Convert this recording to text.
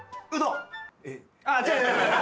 違う違う。